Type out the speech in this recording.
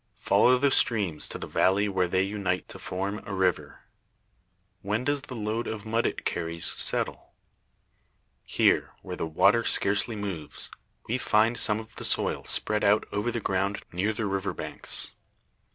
Follow the streams to the valley where they unite to form a river. When does the load of mud it carries settle? Here, where the water scarcely moves, we find some of the soil spread out over the ground near the river banks.